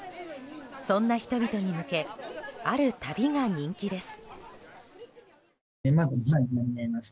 そんな人々に向けある旅が人気です。